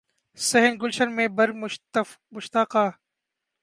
صحن گلشن میں بہر مشتاقاں